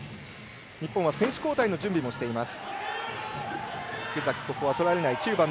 日本は選手交代の準備をしています。